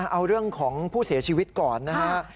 เอาเรื่องของผู้เสียชีวิตก่อนนะฮะ